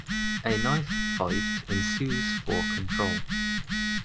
A knife fight ensues for control.